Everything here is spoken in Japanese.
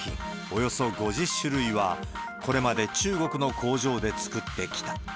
およそ５０種類は、これまで中国の工場で作ってきた。